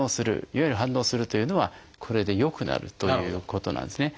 いわゆる「反応する」というのはこれで良くなるということなんですね。